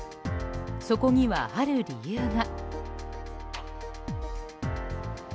そこには、ある理由が。